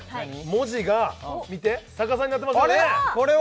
文字が見て逆さになってますよねあれ？